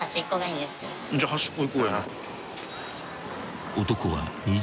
じゃあ端っこ行こうや。